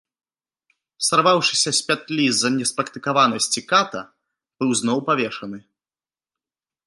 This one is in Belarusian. Сарваўшыся з пятлі з-за неспрактыкаванасці ката, быў зноў павешаны.